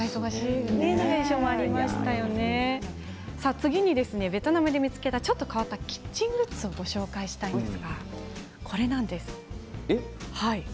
次に、ベトナムで見つけたちょっと変わったキッチングッズをご紹介したいんですがこれなんです。